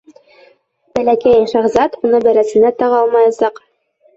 Бәләкәй шаһзат уны бәрәсенә таға алмаясаҡ.